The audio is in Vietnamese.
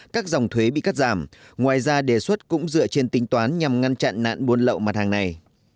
các dòng thuế bị cắt giảm ngoài ra đề xuất cũng dựa trên tính toán nhằm ngăn chặn nạn buôn lậu mặt hàng này